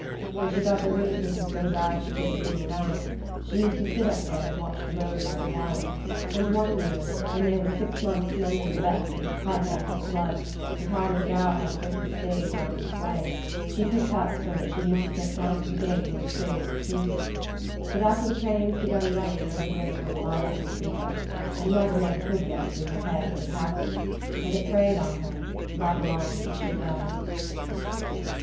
When she got the rheumatism so bad she couldn't move around she used to sit up there and watch the road by the hour; and one year, when they was six months mending the Bettsbridge pike after the floods, and Harmon Gow had to bring his stage round this way, she picked up so that she used to get down to the gate most days to see him. But after the trains begun running nobody ever come by here to speak of, and mother never could get it through her head what had happened, and it preyed on her right along till she died."